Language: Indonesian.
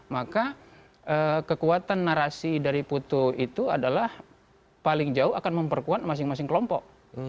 maka kekuatan narasi dari putu itu adalah paling jauh akan memperkuat masing masing kelompok